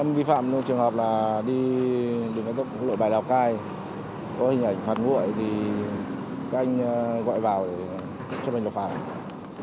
em vi phạm trong trường hợp là đi đường kết thúc lội bài đào cai có hình ảnh phạt nguội thì các anh gọi vào để chấp nhận cho phạt